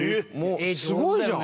すごいじゃん！